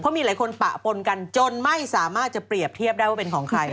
มีหลายคนปะปนกันจนไม่สามารถจะเปรียบเทียบได้ว่าเป็นของใคร